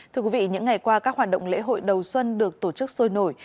thưa quý vị những ngày qua các hoạt động lễ hội đầu xuân được tổ chức sôi nổi